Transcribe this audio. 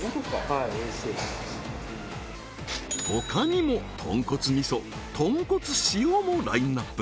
はいおいしい他にも豚骨味噌豚骨塩もラインナップ